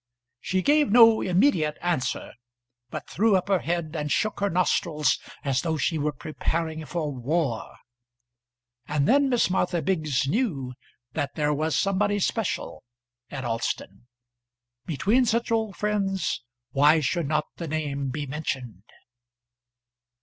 She gave no immediate answer, but threw up her head and shook her nostrils, as though she were preparing for war; and then Miss Martha Biggs knew that there was somebody special at Alston. Between such old friends why should not the name be mentioned?